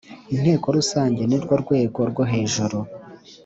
Inteko rusange ni rwo rwego rwo hejuru